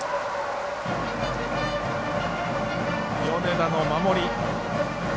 米田の守り。